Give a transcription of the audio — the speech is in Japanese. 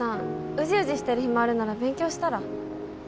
うじうじしてる暇あるなら勉強したら？